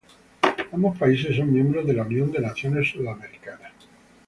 Ambos países son miembros de la Unión de Naciones Suramericanas.